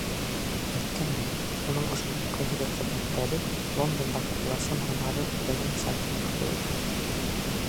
Әйткәндәй, уның ошондай ҡайһы бер хеҙмәттәре Лондондағы ыласын һунары үҙәгенең сайтына ла ҡуйылған.